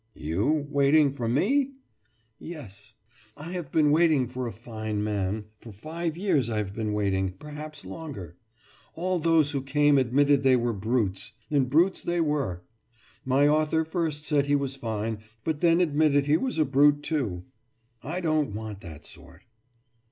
« »You waiting for me?« »Yes, I have been waiting for a fine man. For five years I have been waiting perhaps longer. All those who came admitted they were brutes and brutes they were. My author first said he was fine, but then admitted he was a brute, too. I don't want that sort.